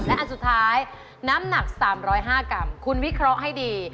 และอันสุดท้ายน้ำหนัก๓๐๕กรัมคุณวิเคราะห์ให้ดี